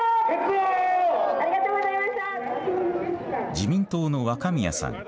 自民党の若宮さん。